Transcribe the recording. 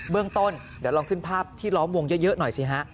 เรื่องต้นเดี๋ยวลองขึ้นภาพที่ล้อมวงเยอะหน่อยสิฮะ